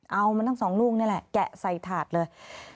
เอามันทั้งสองลูกนี่แหละแกะใส่ถาดเลย